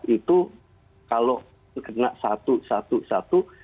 empat itu kalau kena satu